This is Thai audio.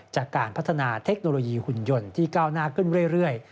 จากการพัฒนาเทคโนโลยีหุ่นยนต์ที่ก้าวหน้าขึ้นเรื่อย